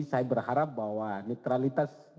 saya berharap bahwa netralitas